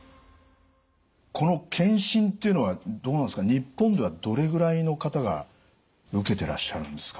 この検診っていうのはどうなんですか日本ではどれぐらいの方が受けてらっしゃるんですか？